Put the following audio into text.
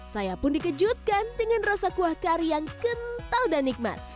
saya pun dikejutkan dengan rasa kuah kari yang kental dan nikmat